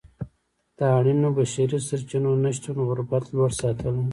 د اړینو بشري سرچینو نشتون غربت لوړ ساتلی.